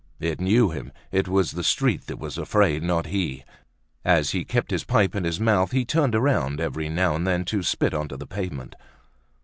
It knew him. It was the street that was afraid, not he. As he kept his pipe in his mouth, he turned round every now and then to spit onto the pavement.